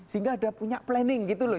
sehingga ada punya planning gitu loh